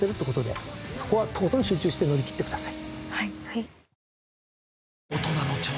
そこはとことん集中して乗り切ってください。